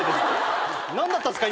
何だったんすか？